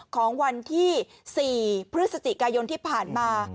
ของวันที่๔พฤศจิกายนที่ผ่านมา